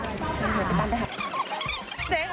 เอูภาษาแรก